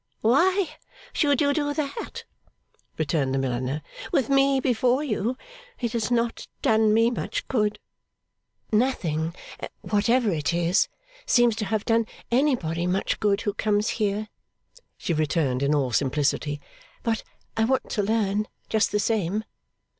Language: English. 'Why should you do that,' returned the milliner, 'with me before you? It has not done me much good.' 'Nothing whatever it is seems to have done anybody much good who comes here,' she returned in all simplicity; 'but I want to learn just the same.